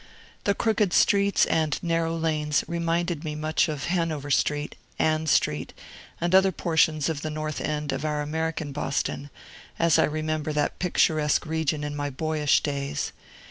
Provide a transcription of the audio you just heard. The crooked streets and narrow lanes reminded me much of Hanover Street, Ann Street, and other portions of the North End of our American Boston, as I remember that picturesque region in my boyish days.